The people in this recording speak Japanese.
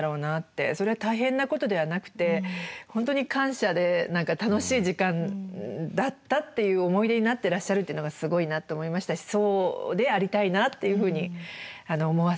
それは大変なことではなくて本当に感謝で何か楽しい時間だったっていう思い出になってらっしゃるっていうのがすごいなって思いましたしそうでありたいなっていうふうに思わせて頂きました。